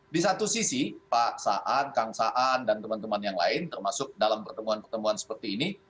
di satu sisi pak saan kang saan dan teman teman yang lain termasuk dalam pertemuan pertemuan seperti ini